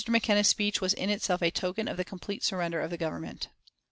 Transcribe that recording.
McKenna's speech was in itself a token of the complete surrender of the Government.